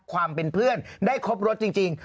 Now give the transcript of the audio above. ความเป็นเพื่อนได้ครบรสจริง